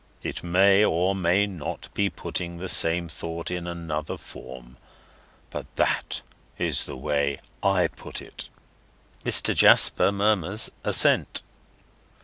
It may or may not be putting the same thought in another form; but that is the way I put it." Mr. Jasper murmurs assent.